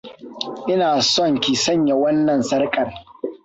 Ina son ki sanya wannan sarƙar.